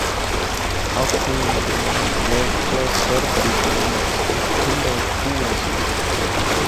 آخدے ہن دروازہ چاہ سرد دے کول ہک ٹھنڈا کھو آسا۔